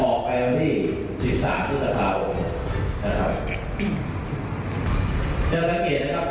ออกไปที่สิบสามทุกษศาสตร์หกนะครับจะสังเกตนะครับ